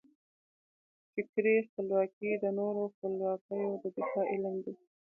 فکري خپلواکي د نورو خپلواکیو د دفاع علم دی.